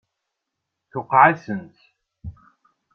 Tuqeε-asent.